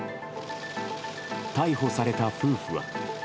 逮捕された夫婦は。